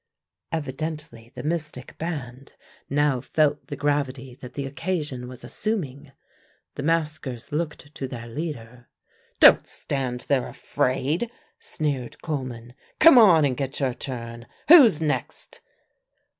Evidently the mystic band now felt the gravity that the occasion was assuming. The maskers looked to their leader. "Don't stand there afraid," sneered Coleman; "come on and get your turn. Who's next?"